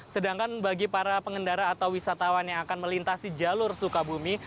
sedangkan bagi para pengendara atau wisatawan yang akan melintasi jalur sukabumi